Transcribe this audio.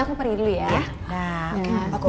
aku pergi dulu ya